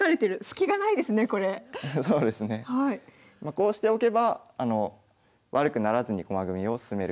こうしておけば悪くならずに駒組みを進めることができました。